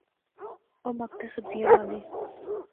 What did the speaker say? اوہ مک تے سبزیاں لانے